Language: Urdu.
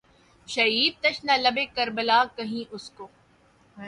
شہیدِ تشنہ لبِ کربلا کہیں اُس کو